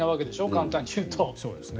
簡単に言うと。